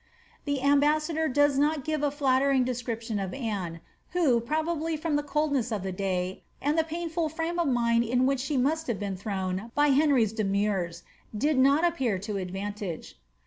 The ambassador does not gire a flattering description of Anne, who, probably from the coldness of the day, and the painful frame of mind in which she must have been thrown by Henry's demurs, did not appear to adrantage.